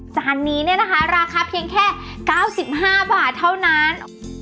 จานนี้เนี่ยนะคะราคาเพียงแค่๙๕บาทเท่านั้น